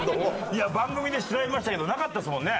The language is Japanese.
いや番組で調べましたけどなかったですもんね。